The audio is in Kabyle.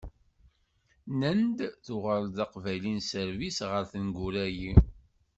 Nnan-d tuɣaleḍ d Aqbayli n sserbis ɣer tneggura-yi.